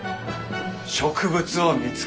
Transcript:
植物を見つける。